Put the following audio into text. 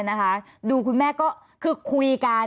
ตอนที่จะไปอยู่โรงเรียนจบมไหนคะ